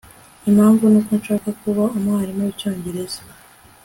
Impamvu nuko nshaka kuba umwarimu wicyongereza